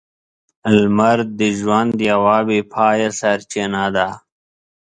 لمر د ژوند یوه بې پايه سرچینه ده.